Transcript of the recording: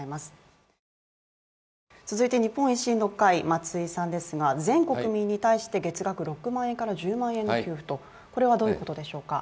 続いて日本維新の会、松井さんですが、全国民に対して月額６万円から１０万円を給付とこれはどういうことでしょうか。